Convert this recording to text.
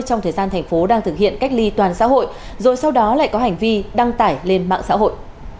trong thời gian thành phố đang thực hiện cách ly toàn xã hội rồi sau đó lại có hành vi đăng tải lên mạng xã hội